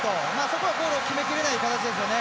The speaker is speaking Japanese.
そこがゴールを決めきれない形ですね。